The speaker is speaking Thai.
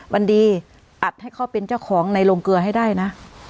มันดีอัดให้เขาเป็นเจ้าของในโรงเกลือให้ได้นะ